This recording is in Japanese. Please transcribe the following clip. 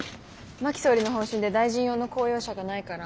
真木総理の方針で大臣用の公用車がないから。